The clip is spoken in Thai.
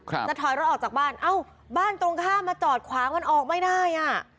จะถอยรถออกจากบ้านเอ้าบ้านตรงข้ามมาจอดขวางมันออกไม่ได้อ่ะ